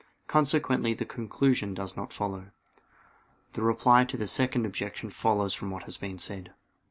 Consequently the conclusion does not follow. The reply to the second objection follows from what has been said.